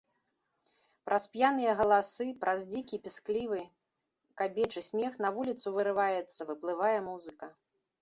Праз п'яныя галасы, праз дзікі, пісклівы кабечы смех на вуліцу вырываецца, выплывае музыка.